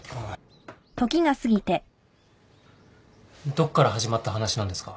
どっから始まった話なんですか？